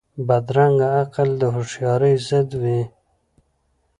بدرنګه عقل د هوښیارۍ ضد وي